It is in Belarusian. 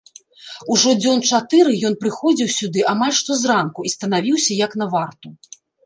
Ужо дзён чатыры ён прыходзіў сюды амаль што зранку і станавіўся як на варту.